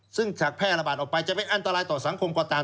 ซึ่งหากแพร่ระบาดออกไปจะเป็นอันตรายต่อสังคมก็ตาม